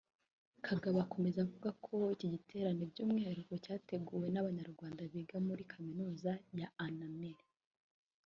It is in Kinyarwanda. Kagabo akomeza avuga ko iki giterane by’umwihariko cyateguwe n’Abanyarwanda biga muri Kaminuza ya Annamalai